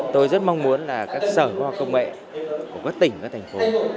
tôi rất mong muốn là các sở khoa học công nghệ của các tỉnh và thành phố